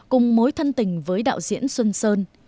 cùng mối thân tình với đạo diễn xuân sơn